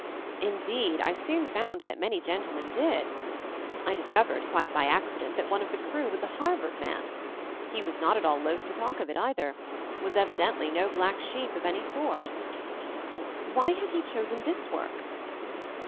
Indeed, I soon found that many gentlemen did. I discovered, quite by accident, that one of the crew was a Harvard man. He was not at all loath to talk of it, either — was evidently no black sheep of any sort. Why had he chosen this work?